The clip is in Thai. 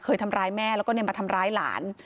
ทำร้ายแม่แล้วก็มาทำร้ายหลาน